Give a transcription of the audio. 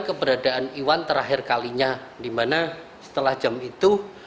keberadaan iwan terakhir kalinya dimana setelah jam itu